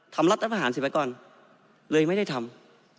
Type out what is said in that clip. ทำรัฐภาษาภาษีไปก่อนเลยไม่ได้ทำ